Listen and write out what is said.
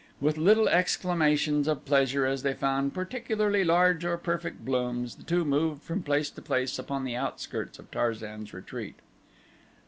With little exclamations of pleasure as they found particularly large or perfect blooms the two moved from place to place upon the outskirts of Tarzan's retreat.